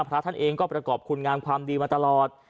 พระท่านเองก็ประกอบคุณงามความดีมาตลอด